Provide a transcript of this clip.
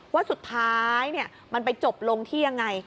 ว่าสุดท้ายมันไปจบลงที่ยังไง